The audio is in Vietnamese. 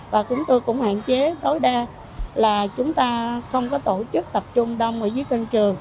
và chúng tôi cũng hạn chế tối đa là chúng ta không có tổ chức tập trung đông ở dưới sân trường